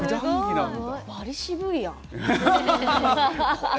ばり渋いやん。